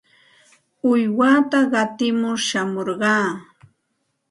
Uywata qatimur shamurqaa.